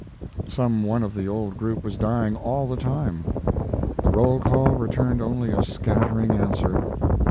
Some one of the old group was dying all the time. The roll call returned only a scattering answer.